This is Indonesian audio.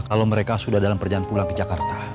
kay sudah dalam perjalanan pulang ke jakarta